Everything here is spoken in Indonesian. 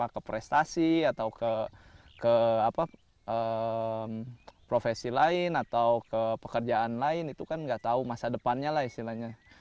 ke prestasi atau ke profesi lain atau ke pekerjaan lain itu kan nggak tahu masa depannya lah istilahnya